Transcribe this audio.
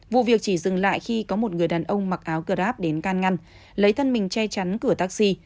vụ việc chỉ dừng lại khi có một người đàn ông mặc áo grab đến can ngăn lấy thân mình che chắn cửa taxi